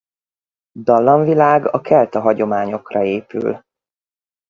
Dallamvilág a kelta hagyományokra épül.